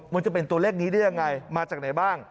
มันจะเป็นตัวเลขนี้ได้ยังไงมาจากไหนบ้าง